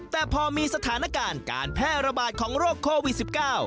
แต่พอมีสถานการณ์การแพร่ระบาดของโรคโควิด๑๙